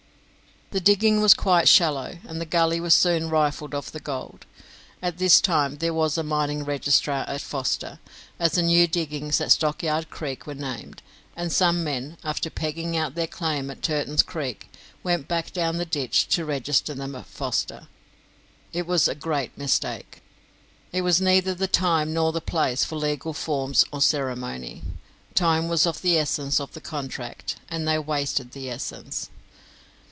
The digging was quite shallow, and the gully was soon rifled of the gold. At this time there was a mining registrar at Foster, as the new diggings at Stockyard Creek were named, and some men, after pegging out their claim at Turton's Creek, went back down the ditch to register them at Foster. It was a great mistake. It was neither the time nor the place for legal forms or ceremony. Time was of the essence of the contract, and they wasted the essence.